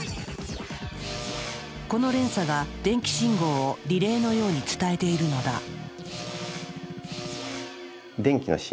この連鎖が電気信号をリレーのように伝えているのだ。